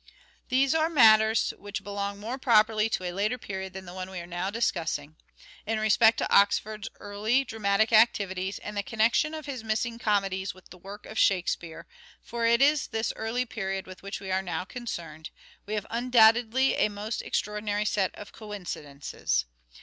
These are matters which belong more properly to Dramatic a later period than the one we are now discussing. con.necti°ns In respect to Oxford's early dramatic activities, and the connection of his missing comedies with the work of " Shakespeare "— for it is this early period with which we are now concerned — we have undoubtedly a most extraordinary set of coincidences.